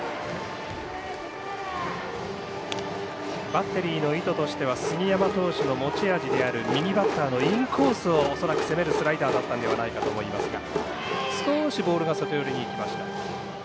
バッテリーの意図としては杉山投手の持ち味である右バッターのインコースを恐らく攻めるスライダーだったんではないかと思いますが。